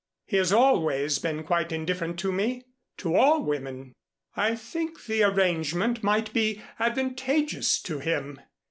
He has always been quite indifferent to me to all women. I think the arrangement might be advantageous to him.